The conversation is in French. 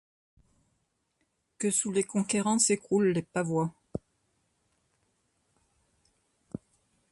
Que sous les conquérants s'écroulent les pavois